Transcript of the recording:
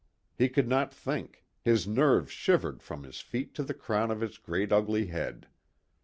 He could not think, his nerves shivered from his feet to the crown of his great ugly head.